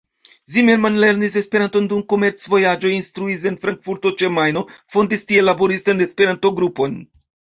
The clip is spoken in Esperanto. Zimmermann lernis Esperanton dum komerc-vojaĝoj, instruis en Frankfurto ĉe Majno, fondis tie laboristan Esperanto-grupon.